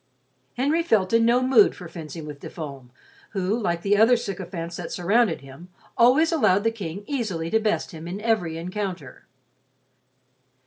Henry felt in no mood for fencing with De Fulm, who, like the other sycophants that surrounded him, always allowed the King easily to best him in every encounter.